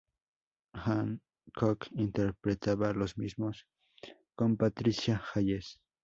Hancock interpretaba los mismos con Patricia Hayes.